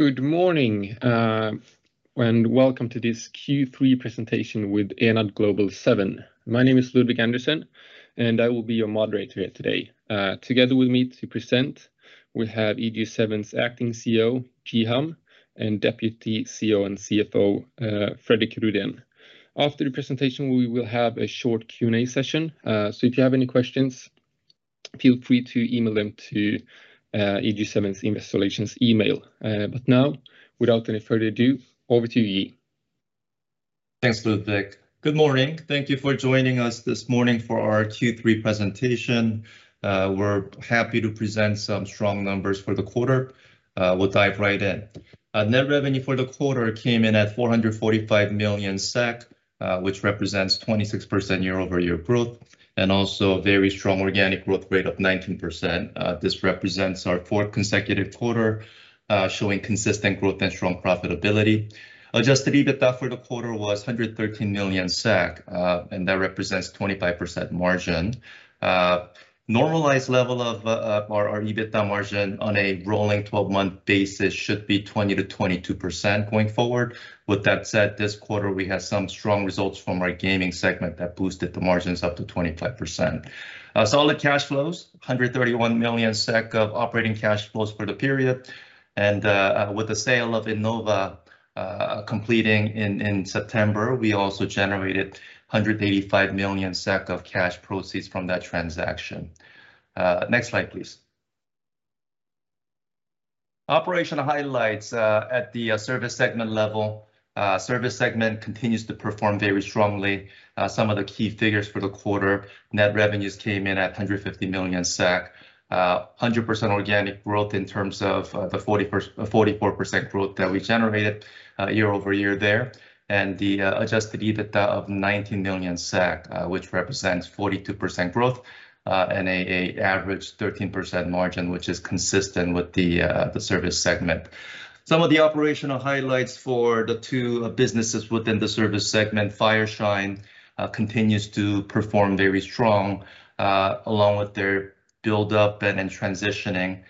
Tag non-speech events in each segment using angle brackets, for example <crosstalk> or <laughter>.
Good morning, and welcome to this Q3 presentation with Enad Global 7. My name is Ludvig Andersson, and I will be your Moderator here today. Together with me to present, we have EG7's Acting CEO, Ji Ham, and Deputy CEO and CFO, Fredrik Rüdén. After the presentation, we will have a short Q&A session, so if you have any questions, feel free to email them to EG7's Investor Relations email. Now, without any further ado, over to you, Ji. Thanks, Ludvig. Good morning. Thank you for joining us this morning for our Q3 presentation. We're happy to present some strong numbers for the quarter. We'll dive right in. Net revenue for the quarter came in at 445 million SEK, which represents 26% year-over-year growth, and also a very strong organic growth rate of 19%. This represents our fourth consecutive quarter showing consistent growth and strong profitability. Adjusted EBITDA for the quarter was 113 million SEK, and that represents 25% margin. Normalized level of our EBITDA margin on a rolling 12-month basis should be 20%-22% going forward. With that said, this quarter we had some strong results from our gaming segment that boosted the margins up to 25%. Solid cash flows, 131 million SEK of operating cash flows for the period. With the sale of Innova completing in September, we also generated 185 million SEK of cash proceeds from that transaction. Next slide, please. Operational highlights at the service segment level. Service segment continues to perform very strongly. Some of the key figures for the quarter, net revenues came in at 150 million SEK. 100% organic growth in terms of the 44% growth that we generated year-over-year there. The adjusted EBITDA of 90 million, which represents 42% growth and an average 13% margin, which is consistent with the service segment. Some of the operational highlights for the two businesses within the service segment, Fireshine continues to perform very strong, along with their build-up and then transitioning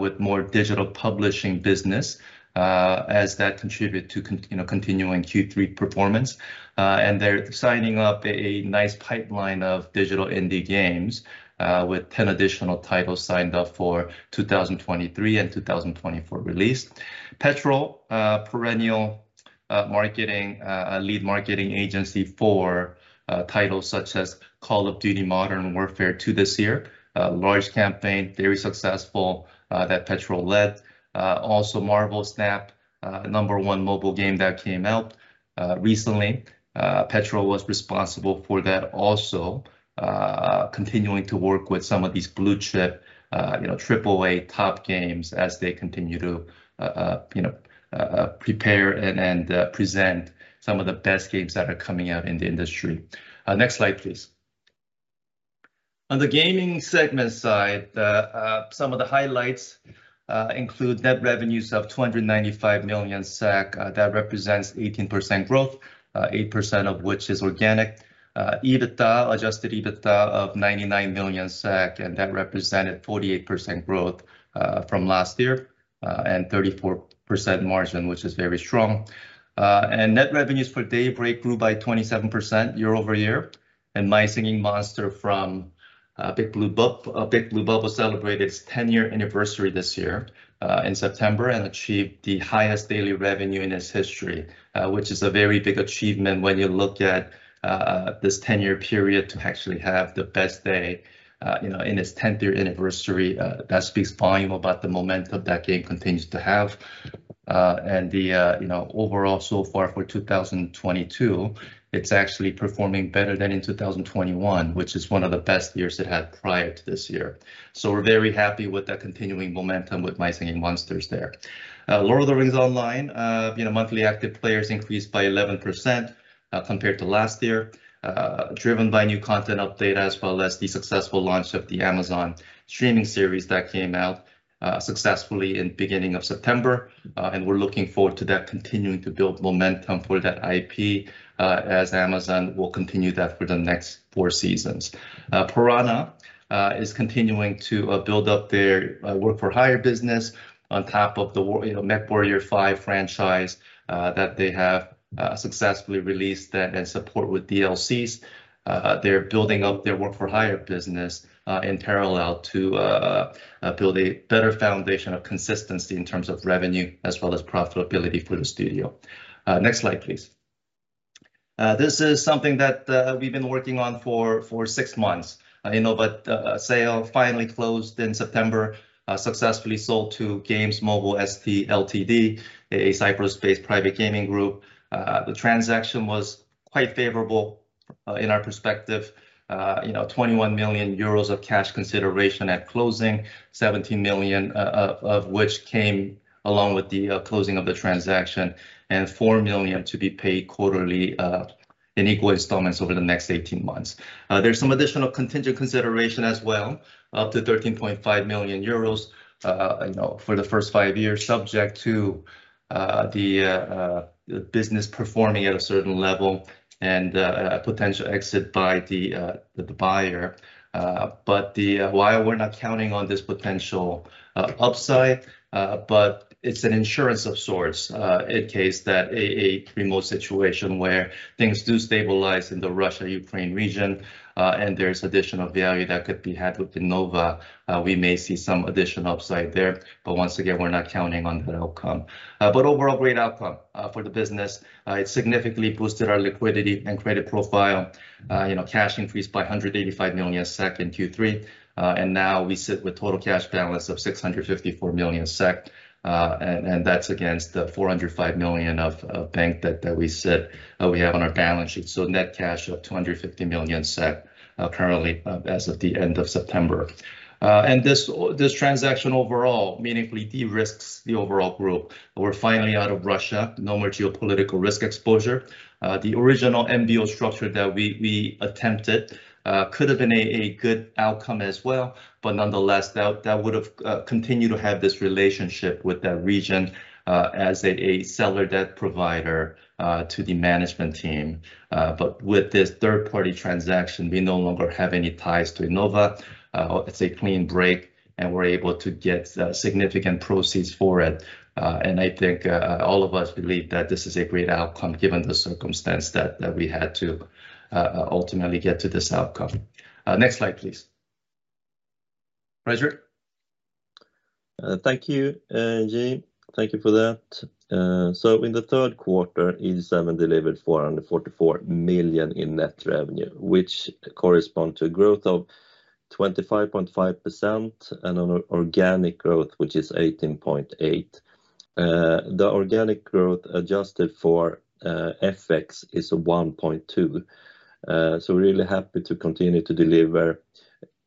with more digital publishing business, as that contribute to, you know, continuing Q3 performance. They're signing up a nice pipeline of digital indie games with 10 additional titles signed up for 2023 and 2024 release. Petrol, perennial marketing, a lead marketing agency for titles such as Call of Duty: Modern Warfare II this year. Large campaign, very successful, that Petrol led. Also Marvel Snap, number one mobile game that came out recently. Petrol was responsible for that also, continuing to work with some of these blue chip, you know, AAA top games as they continue to, you know, prepare and present some of the best games that are coming out in the industry. Next slide, please. On the gaming segment side, some of the highlights include net revenues of 295 million SEK. That represents 18% growth, 8% of which is organic. Adjusted EBITDA of 99 million SEK, and that represented 48% growth from last year and 34% margin, which is very strong. Net revenues for Daybreak grew by 27% year-over-year. My Singing Monsters from Big Blue Bubble celebrated its 10-year anniversary this year in September and achieved the highest daily revenue in its history, which is a very big achievement when you look at this 10-year period to actually have the best day, you know, in its 10th-year anniversary. That speaks volume about the momentum that game continues to have. You know, overall so far for 2022, it's actually performing better than in 2021, which is one of the best years it had prior to this year. We're very happy with that continuing momentum with My Singing Monsters there. Lord of the Rings Online, you know, monthly active players increased by 11% compared to last year, driven by new content update as well as the successful launch of the Amazon streaming series that came out successfully in beginning of September. We're looking forward to that continuing to build momentum for that IP as Amazon will continue that for the next four seasons. Piranha is continuing to build up their work-for-hire business on top of the, you know, MechWarrior 5 franchise that they have successfully released that and support with DLCs. They're building up their work-for-hire business in parallel to build a better foundation of consistency in terms of revenue as well as profitability for the studio. Next slide, please. This is something that we've been working on for six months. Innova sale finally closed in September, successfully sold to Games Mobile ST LTD, a Cyprus-based private gaming group. The transaction was quite favorable in our perspective, you know, 21 million euros of cash consideration at closing, 17 million of which came along with the closing of the transaction, and 4 million to be paid quarterly in equal installments over the next 18 months. There's some additional contingent consideration as well, up to 13.5 million euros, you know, for the first five years, subject to the business performing at a certain level and a potential exit by the buyer. While we're not counting on this potential upside, but it's an insurance of sorts in case that a remote situation where things do stabilize in the Russia-Ukraine region and there's additional value that could be had with Innova, we may see some additional upside there. Once again, we're not counting on that outcome. Overall great outcome for the business. It significantly boosted our liquidity and credit profile. You know, cash increased by 185 million in Q3, and now we sit with total cash balance of 654 million, and that's against the 405 million of bank debt that we have on our balance sheet. Net cash of 250 million currently as of the end of September. This transaction overall meaningfully de-risks the overall group. We're finally out of Russia, no more geopolitical risk exposure. The original MBO structure that we attempted could have been a good outcome as well, but nonetheless, that would have continued to have this relationship with that region as a seller debt provider to the management team. With this third-party transaction, we no longer have any ties to Innova. It's a clean break, and we're able to get significant proceeds for it. I think all of us believe that this is a great outcome given the circumstance that we had to ultimately get to this outcome. Next slide, please. Fredrik. Thank you, Ji. Thank you for that. In the third quarter, EG7 delivered 444 million in net revenue, which correspond to a growth of 25.5% and an organic growth, which is 18.8%. The organic growth adjusted for FX is 1.2%. We're really happy to continue to deliver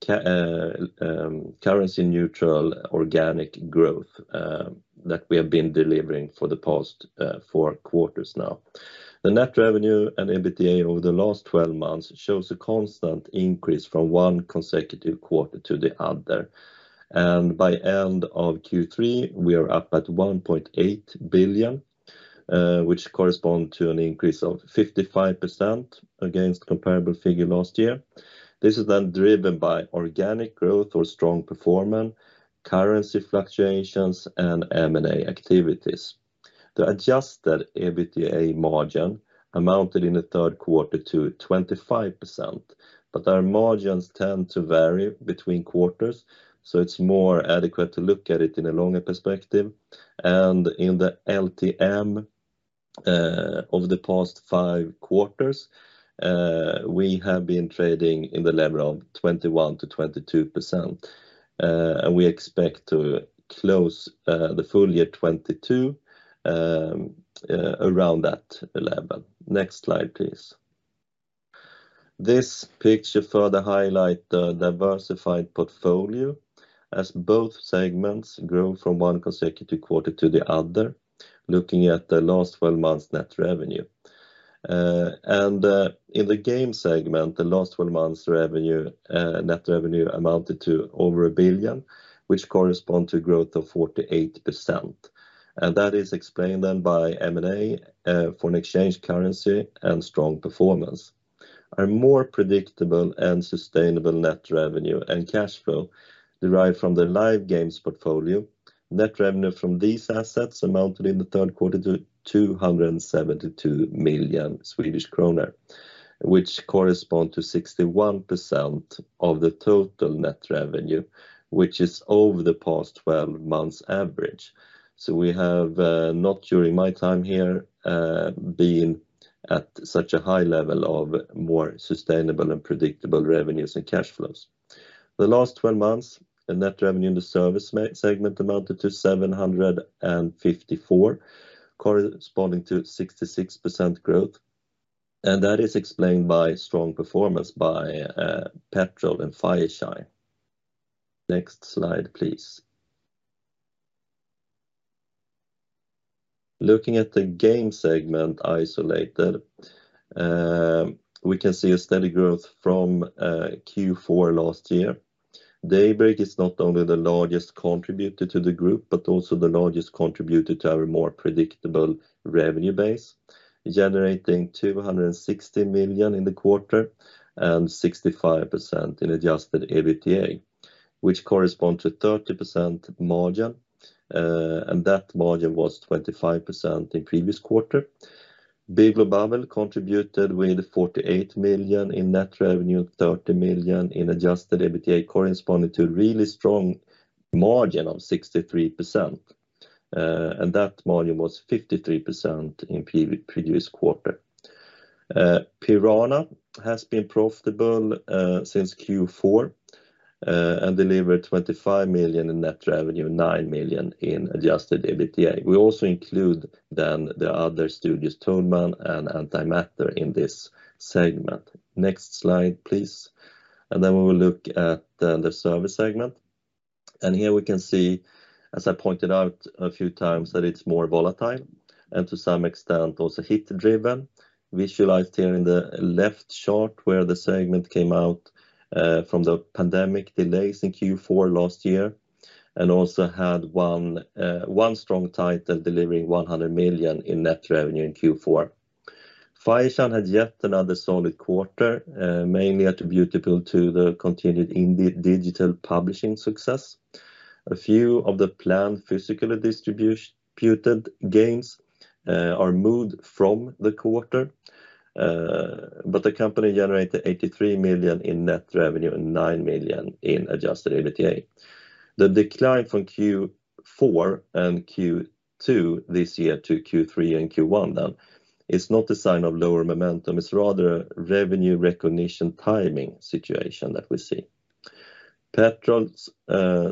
currency neutral organic growth that we have been delivering for the past four quarters now. The net revenue and EBITDA over the last 12 months shows a constant increase from one consecutive quarter to the other. By end of Q3, we are up at 1.8 billion, which correspond to an increase of 55% against comparable figure last year. This is then driven by organic growth or strong performance, currency fluctuations, and M&A activities. The adjusted EBITDA margin amounted in the third quarter to 25%, but our margins tend to vary between quarters, so it's more adequate to look at it in a longer perspective. In the LTM over the past five quarters, we have been trading in the level of 21%-22%, and we expect to close the full year 2022 around that level. Next slide, please. This picture further highlight the diversified portfolio as both segments grow from one consecutive quarter to the other, looking at the last 12 months net revenue. In the game segment, the last 12 months net revenue amounted to over 1 billion, which correspond to growth of 48%. That is explained then by M&A, foreign exchange currency, and strong performance. Our more predictable and sustainable net revenue and cash flow derived from the live games portfolio. Net revenue from these assets amounted in the third quarter to 272 million Swedish kronor, which correspond to 61% of the total net revenue, which is over the past 12 months average. We have, not during my time here, been at such a high level of more sustainable and predictable revenues and cash flows. The last 12 months, the net revenue in the service segment amounted to 754 million, corresponding to 66% growth. That is explained by strong performance by Petrol and Fireshine. Next slide, please. Looking at the game segment isolated, we can see a steady growth from Q4 last year. Daybreak is not only the largest contributor to the group, but also the largest contributor to our more predictable revenue base, generating 260 million in the quarter and 65% in adjusted EBITDA, which correspond to 30% margin, and that margin was 25% in previous quarter. Big Blue Bubble contributed with 48 million in net revenue, 30 million in adjusted EBITDA, corresponding to a really strong margin of 63%, and that margin was 53% in previous quarter. Piranha has been profitable since Q4. Delivered 25 million in net revenue and 9 million in adjusted EBITDA. We also include then the other studios, Toadman and Antimatter in this segment. Next slide, please. We will look at the service segment. Here we can see, as I pointed out a few times, that it's more volatile and to some extent also hit-driven, visualized here in the left chart where the segment came out from the pandemic delays in Q4 last year, and also had one strong title delivering 100 million in net revenue in Q4. Fireshine had yet another solid quarter, mainly attributable to the continued digital publishing success. A few of the planned physical distributed games are moved from the quarter, but the company generated 83 million in net revenue and 9 million in adjusted EBITDA. The decline from Q4 and Q2 this year to Q3 and Q1 then is not a sign of lower momentum. It's rather a revenue recognition timing situation that we see. Petrol's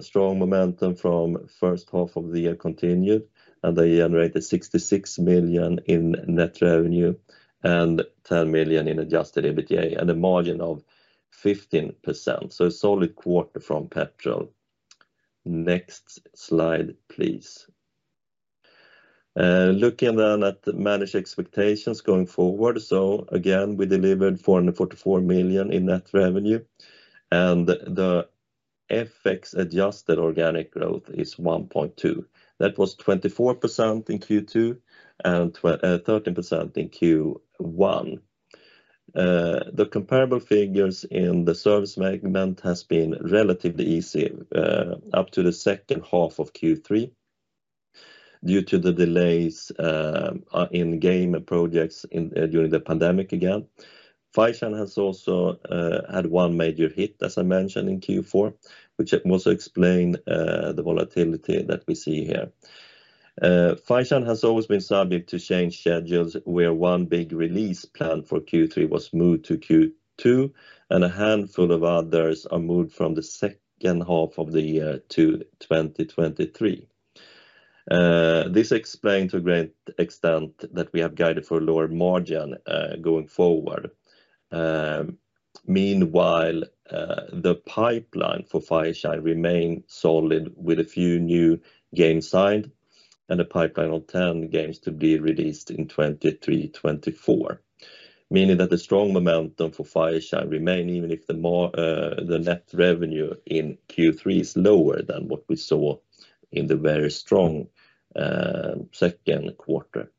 strong momentum from first half of the year continued, and they generated 66 million in net revenue and 10 million in adjusted EBITDA at a margin of 15%. A solid quarter from Petrol. Next slide, please. Looking then at managed expectations going forward, again, we delivered 444 million in net revenue, and the FX-adjusted organic growth is 1.2%. That was 24% in Q2 and 13% in Q1. The comparable figures in the service segment has been relatively easy up to the second half of Q3 due to the delays in game projects during the pandemic again. Fireshine has also had one major hit, as I mentioned, in Q4, which also explain the volatility that we see here. Fireshine has always been subject to change schedules where one big release planned for Q3 was moved to Q2, and a handful of others are moved from the second half of the year to 2023. This explain to a great extent that we have guided for lower margin going forward. Meanwhile, the pipeline for Fireshine remain solid with a few new games signed and a pipeline of 10 games to be released in 2023, 2024, meaning that the strong momentum for Fireshine remain even if the net revenue in Q3 is lower than what we saw in the very strong second quarter.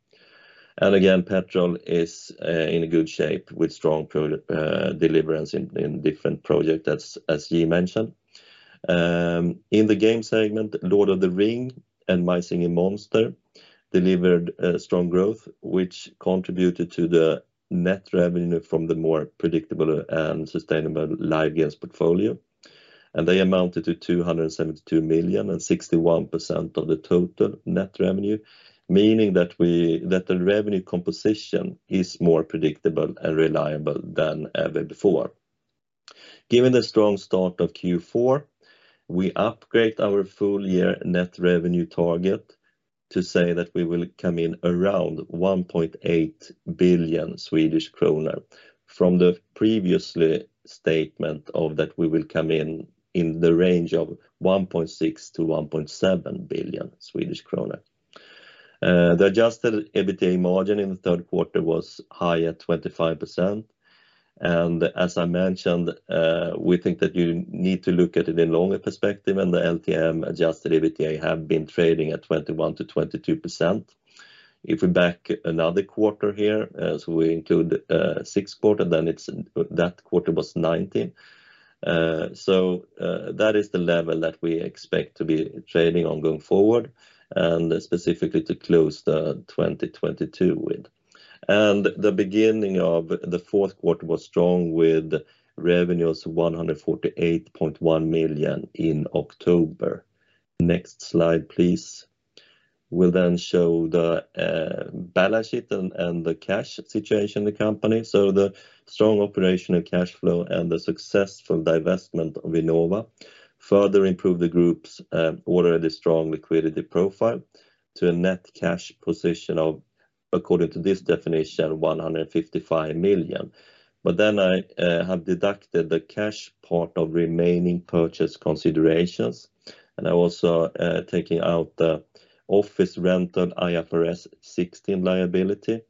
Again, Petrol is in a good shape with strong deliverance in different project as Ji Ham mentioned. In the game segment, Lord of the Rings and My Singing Monsters delivered strong growth, which contributed to the net revenue from the more predictable and sustainable live games portfolio. They amounted to 272 million and 61% of the total net revenue, meaning that the revenue composition is more predictable and reliable than ever before. Given the strong start of Q4, we upgrade our full year net revenue target to say that we will come in around 1.8 billion Swedish kronor from the previous statement of that we will come in the range of 1.6 billion-1.7 billion Swedish kronor. The adjusted EBITDA margin in the third quarter was high at 25%. As I mentioned, we think that you need to look at it in longer perspective and the LTM adjusted EBITDA have been trading at 21%-22%. If we back another quarter here as we include six quarter, that quarter was 19%. That is the level that we expect to be trading on going forward and specifically to close 2022 with. The beginning of the fourth quarter was strong with revenues 148.1 million in October. Next slide, please. We'll then show the balance sheet and the cash situation in the company. The strong operational cash flow and the successful divestment of Innova further improve the group's already strong liquidity profile to a net cash position of, according to this definition, 155 million. I have deducted the cash part of remaining purchase considerations, and I also taking out the office rental IFRS 16 liability.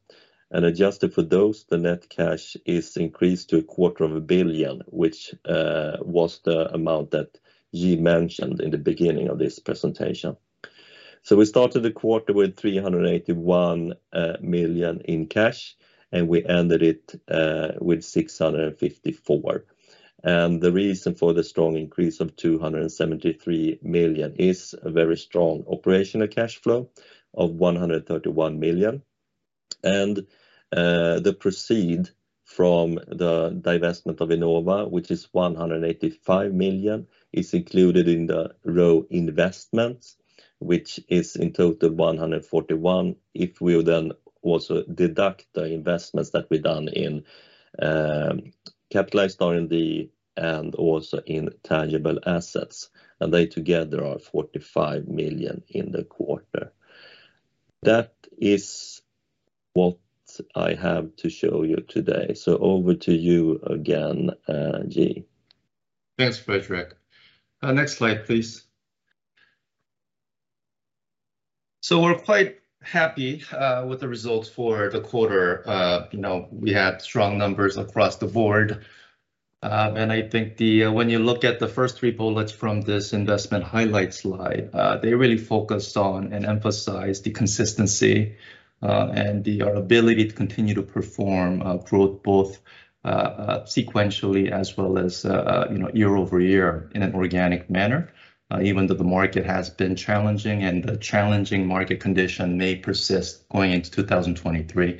Adjusted for those, the net cash is increased to a quarter of a billion, which was the amount that Ji mentioned in the beginning of this presentation. We started the quarter with 381 million in cash, and we ended it with 654 million. The reason for the strong increase of 273 million is a very strong operational cash flow of 131 million. The proceeds from the divestment of Innova, which is 185 million, is included in the row investments, which is in total 141 if we will then also deduct the investments that we done in capitalized R&D and also in tangible assets, and they together are 45 million in the quarter. That is what I have to show you today. Over to you again, Ji. Thanks, Fredrik. Next slide, please. We're quite happy with the results for the quarter. You know, we had strong numbers across the board. I think when you look at the first three bullets from this investment highlights slide, they really focus on and emphasize the consistency and our ability to continue to perform growth both sequentially as well as, you know, year-over-year in an organic manner, even though the market has been challenging and the challenging market condition may persist going into 2023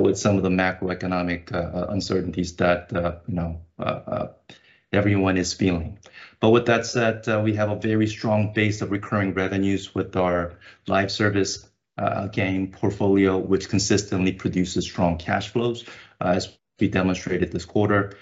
with some of the macroeconomic uncertainties that, you know, everyone is feeling. With that said, we have a very strong base of recurring revenues with our live service game portfolio, which consistently produces strong cash flows as we demonstrated this quarter.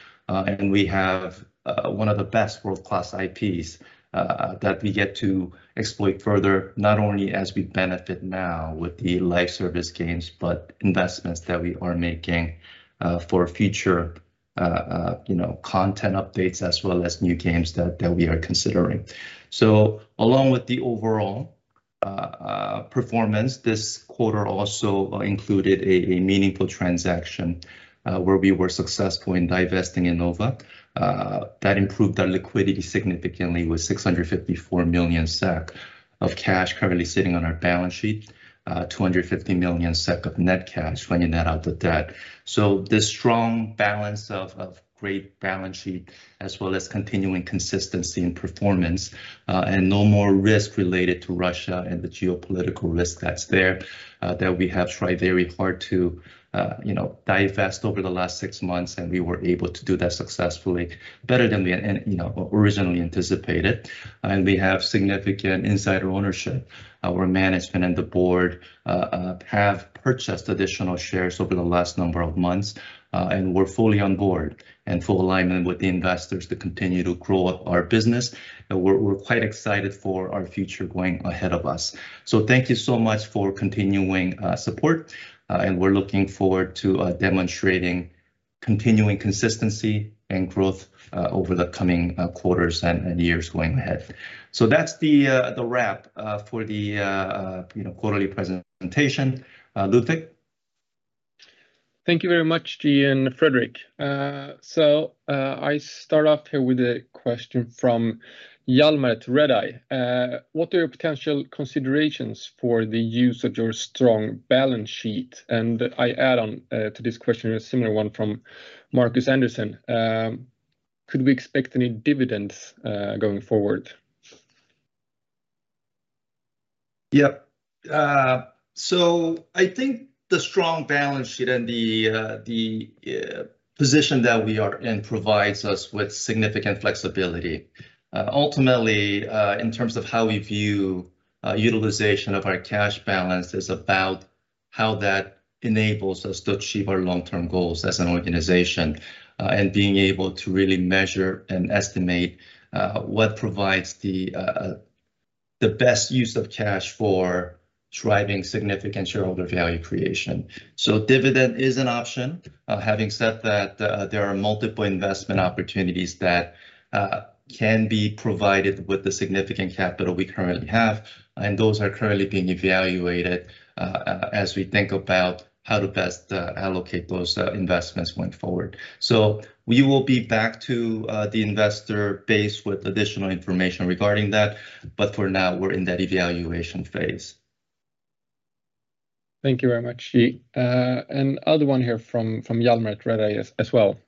We have one of the best world-class IPs that we get to exploit further, not only as we benefit now with the live service games, but investments that we are making for future, you know, content updates as well as new games that we are considering. Along with the overall performance, this quarter also included a meaningful transaction where we were successful in divesting Innova that improved our liquidity significantly with 654 million SEK of cash currently sitting on our balance sheet, 250 million SEK of net cash when you net out the debt. This strong balance of great balance sheet as well as continuing consistency and performance and no more risk related to Russia and the geopolitical risk that's there that we have tried very hard to, you know, divest over the last six months, and we were able to do that successfully better than we, you know, originally anticipated. We have significant insider ownership. Our management and the board have purchased additional shares over the last number of months, and we're fully on board and full alignment with the investors to continue to grow our business. We're quite excited for our future going ahead of us. Thank you so much for continuing support, and we're looking forward to demonstrating continuing consistency and growth over the coming quarters and years going ahead. That's the wrap for the, you know, quarterly presentation. Ludvig. Thank you very much, Ji and Fredrik. I start off here with a question from Hjalmar at Redeye. What are your potential considerations for the use of your strong balance sheet? I add on to this question a similar one from Markus Andersson. Could we expect any dividends going forward? Yep. I think the strong balance sheet and the position that we are in provides us with significant flexibility. Ultimately, in terms of how we view utilization of our cash balance is about how that enables us to achieve our long-term goals as an organization and being able to really measure and estimate what provides the best use of cash for driving significant shareholder value creation. Dividend is an option. Having said that, there are multiple investment opportunities that can be provided with the significant capital we currently have, and those are currently being evaluated as we think about how to best allocate those investments going forward. We will be back to the investor base with additional information regarding that, but for now, we're in that evaluation phase. Thank you very much, Ji. Another one here from Hjalmar at Redeye as well.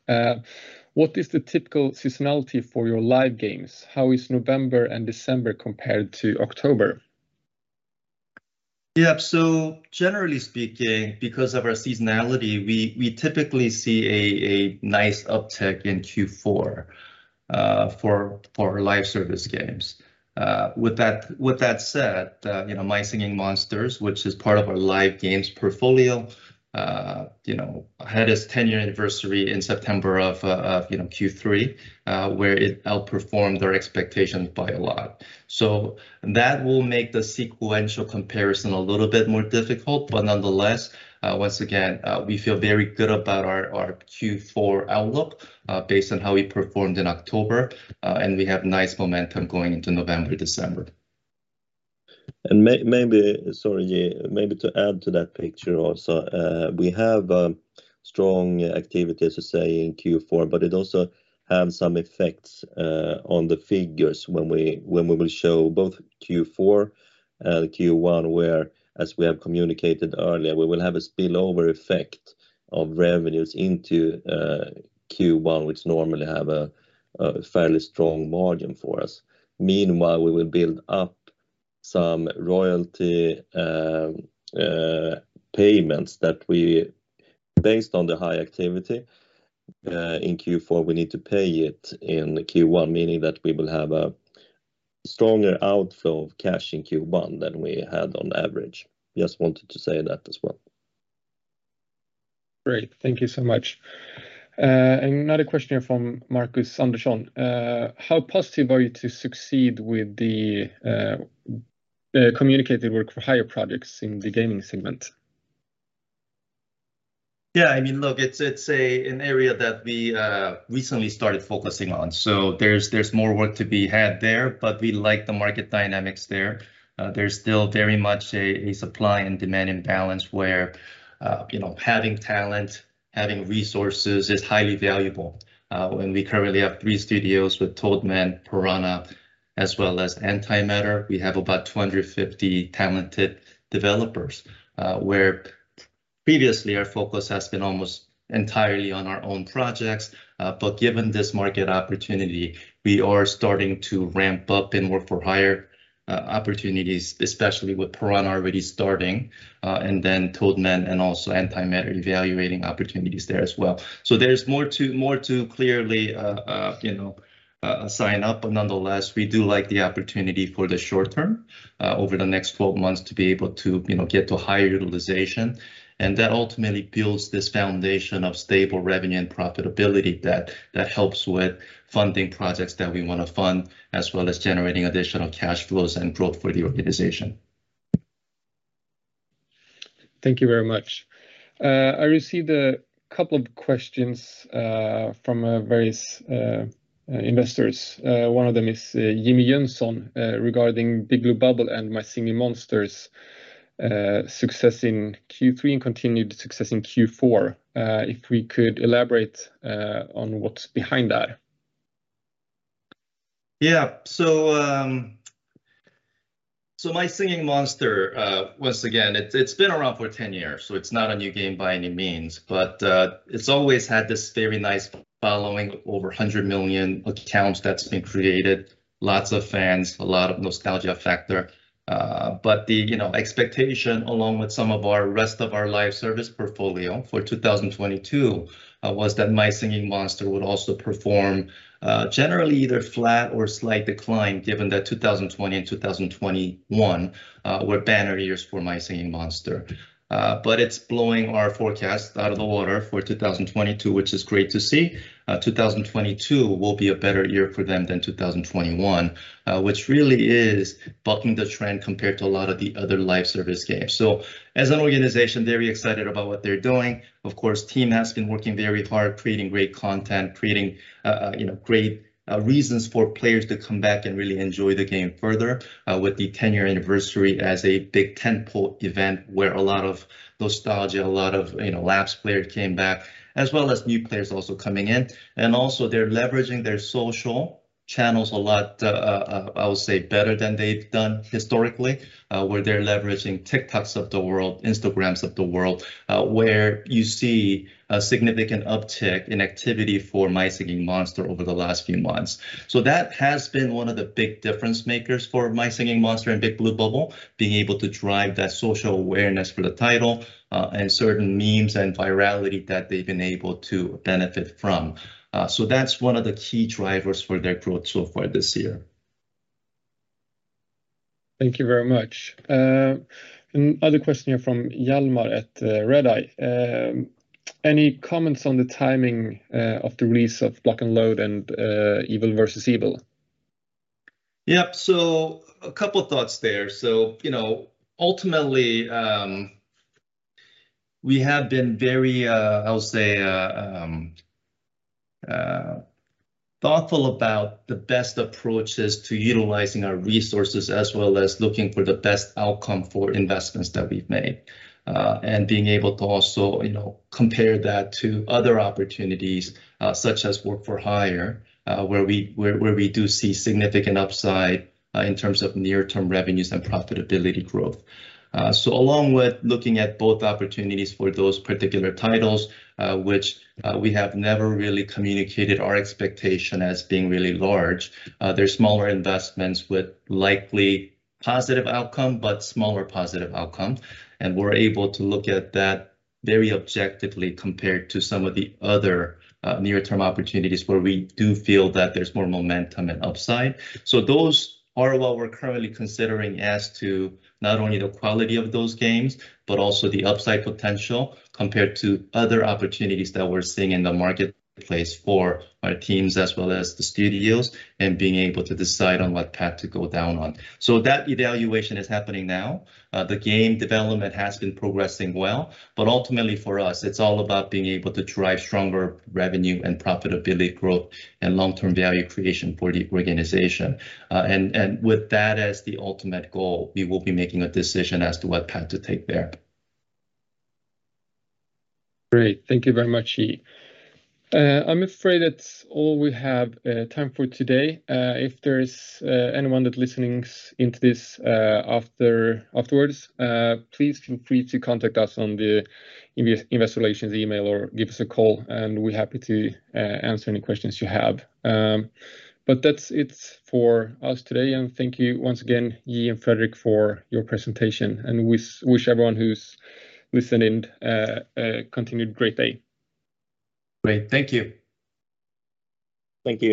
What is the typical seasonality for your live games? How is November and December compared to October? Yeah, generally speaking, because of our seasonality, we typically see a nice uptick in Q4 for live service games. With that said, you know, My Singing Monsters, which is part of our live games portfolio, you know, had its 10-year anniversary in September of, you know, Q3, where it outperformed our expectations by a lot. That will make the sequential comparison a little bit more difficult, but nonetheless, once again, we feel very good about our Q4 outlook based on how we performed in October, and we have nice momentum going into November, December. Sorry, Ji. Maybe to add to that picture also, we have strong activity, as you say, in Q4, but it also have some effects on the figures when we will show both Q4 and Q1, where, as we have communicated earlier, we will have a spillover effect of revenues into Q1, which normally have a fairly strong margin for us. Meanwhile, we will build up some royalty payments that we based on the high activity in Q4, we need to pay it in Q1, meaning that we will have a stronger outflow of cash in Q1 than we had on average. Just wanted to say that as well. Great. Thank you so much. Another question from Markus Andersson. How positive are you to succeed with the communicated work-for-hire projects in the gaming segment? Yeah, I mean, look, it's an area that we recently started focusing on, so there's more work to be had there, but we like the market dynamics there. There's still very much a supply and demand imbalance where, you know, having talent, having resources is highly valuable. We currently have three studios with Toadman, Piranha, as well as Antimatter. We have about 250 talented developers. Where previously our focus has been almost entirely on our own projects. Given this market opportunity, we are starting to ramp up in work-for-hire opportunities, especially with Piranha already starting, and then Toadman and also Antimatter evaluating opportunities there as well. There's more to clearly, you know, sign up. Nonetheless, we do like the opportunity for the short term over the next 12 months to be able to, you know, get to a higher utilization. That ultimately builds this foundation of stable revenue and profitability that helps with funding projects that we wanna fund, as well as generating additional cash flows and growth for the organization. Thank you very much. I received a couple of questions from various investors. One of them is <inaudible> regarding Big Blue Bubble and My Singing Monsters success in Q3 and continued success in Q4. If we could elaborate on what's behind that. My Singing Monsters, once again, it's been around for 10 years, so it's not a new game by any means. It's always had this very nice following. Over 100 million accounts that's been created, lots of fans, a lot of nostalgia factor. The, you know, expectation, along with some of our rest of our live service portfolio for 2022, was that My Singing Monsters would also perform, generally either flat or slight decline, given that 2020 and 2021 were banner years for My Singing Monsters. It's blowing our forecast out of the water for 2022, which is great to see. 2022 will be a better year for them than 2021, which really is bucking the trend compared to a lot of the other live service games. As an organization, very excited about what they're doing. Of course, team has been working very hard, creating great content, creating, you know, great reasons for players to come back and really enjoy the game further. With the 10-year anniversary as a big tentpole event where a lot of nostalgia, a lot of, you know, lapsed players came back, as well as new players also coming in. Also they're leveraging their social channels a lot, I would say, better than they've done historically, where they're leveraging TikTok of the world, Instagram of the world, where you see a significant uptick in activity for My Singing Monsters over the last few months. That has been one of the big difference makers for My Singing Monsters and Big Blue Bubble, being able to drive that social awareness for the title and certain memes and virality that they've been able to benefit from. That's one of the key drivers for their growth so far this year. Thank you very much. Another question here from Hjalmar at Redeye. Any comments on the timing of the release of Block N' Load and EvilVEvil? Yep. A couple of thoughts there. You know, ultimately, we have been very, I would say, thoughtful about the best approaches to utilizing our resources, as well as looking for the best outcome for investments that we've made. Being able to also, you know, compare that to other opportunities, such as work for hire, where we do see significant upside in terms of near-term revenues and profitability growth. Along with looking at both opportunities for those particular titles, which we have never really communicated our expectation as being really large, they're smaller investments with likely positive outcome, but smaller positive outcome. We're able to look at that very objectively compared to some of the other near-term opportunities where we do feel that there's more momentum and upside. Those are what we're currently considering as to not only the quality of those games, but also the upside potential compared to other opportunities that we're seeing in the marketplace for our teams as well as the studios, and being able to decide on what path to go down on. That evaluation is happening now. The game development has been progressing well, but ultimately for us, it's all about being able to drive stronger revenue and profitability growth and long-term value creation for the organization. With that as the ultimate goal, we will be making a decision as to what path to take there. Great. Thank you very much, Ji. I'm afraid that's all we have time for today. If there's anyone that listening into this afterwards, please feel free to contact us on the investor relations email or give us a call, and we're happy to answer any questions you have. That's it for us today. Thank you once again, Ji and Fredrik, for your presentation, and we wish everyone who's listening a continued great day. Great. Thank you. Thank you.